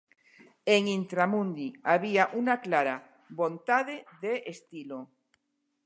En Intramundi había unha clara vontade de estilo.